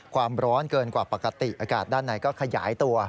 ความร้อนเกินกว่าปกติอากาศด้านในก็ขยายตัว